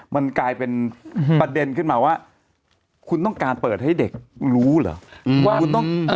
มันกลายเป็นประเด็นขึ้นมาว่าคุณต้องการเปิดให้เด็กรู้เหรอว่าคุณต้อง